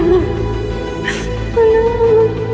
หน้อหนู